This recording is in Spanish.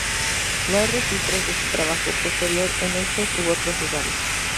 No hay registros de su trabajo posterior en estos u otros lugares.